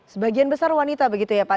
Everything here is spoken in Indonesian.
sebagian besar wanita begitu ya pak